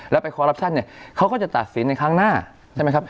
แล้วไปคอรัปชั่นเนี่ยเขาก็จะตัดสินในครั้งหน้าใช่ไหมครับ